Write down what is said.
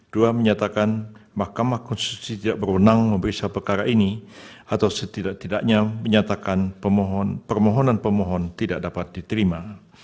dua menyatakan mahkamah konstitusi tidak berwenang memeriksa perkara ini atau setidak tidaknya menyatakan permohonan pemohon tidak dapat diterima